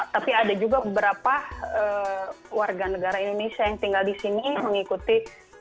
tapi ada juga beberapa warga negara indonesia yang tinggal di sini mengikuti